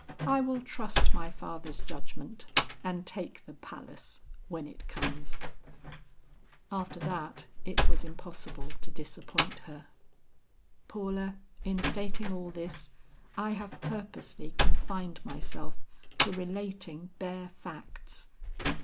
'I will trust my father's judgment, and take the palace when it comes.' "After that, it was impossible to disappoint her. "Paula, in stating all this, I have purposely confined myself to relating bare facts.